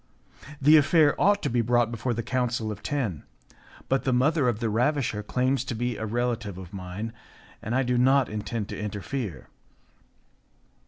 The affair ought to be brought before the Council of Ten, but the mother of the ravisher claims to be a relative of mine, and I do not intend to interfere."